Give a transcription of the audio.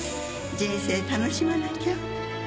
人生楽しまなきゃ